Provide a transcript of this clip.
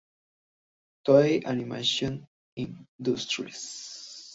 Toei Animation Inc.